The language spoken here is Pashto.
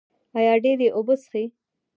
ایا ډیرې اوبه څښئ؟